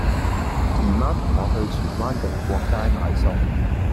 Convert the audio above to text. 姨媽同我去荃灣定國街買餸